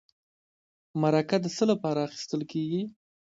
مرکه د څه لپاره اخیستل کیږي؟